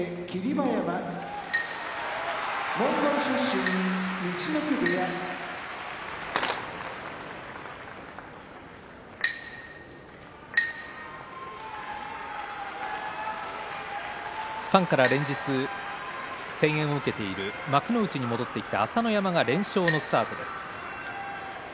馬山モンゴル出身陸奥部屋ファンから連日声援を受けている幕内に戻ってきた朝乃山が連勝のスタートです。